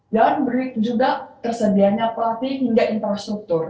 dan berikut juga tersedianya pelati hingga infrastruktur